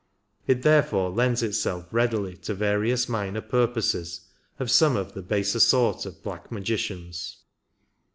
It therefore lends itself readily to various minor purposes of some of the baser sort of black magicians.